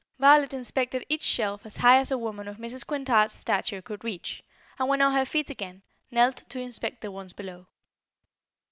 Violet inspected each shelf as high as a woman of Mrs. Quintard's stature could reach, and when on her feet again, knelt to inspect the ones below.